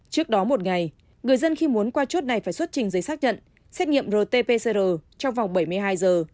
trước đó một ngày người dân khi muốn qua chốt này phải xuất trình giấy xác nhận xét nghiệm rt pcr trong vòng bảy mươi hai giờ